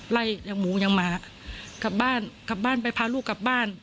อย่างหมูยังมากลับบ้านกลับบ้านไปพาลูกกลับบ้าน